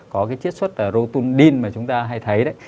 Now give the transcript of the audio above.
có cái chiếc suất rotundin mà chúng ta hay thấy đấy